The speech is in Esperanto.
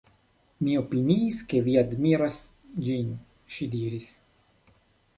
Mi opiniis ke vi admiros ĝin, ŝi diris.